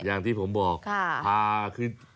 อย่างที่ผมบอกพาคือ